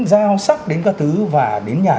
dao sắt đến các thứ và đến nhà